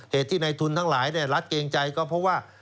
เหตุที่ในทุนทั้งหลายรัฐเกรงใจก็เพราะว่า